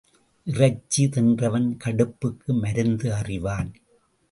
இறைச்சி தின்றவன் கடுப்புக்கு மருந்து அறிவான்.